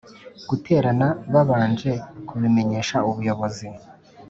guterana babanje kubimenyesha ubuyobozi